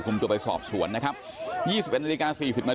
คุณตำรวจครับนี่ออกมาใจเย็นพี่เขาพี่เขา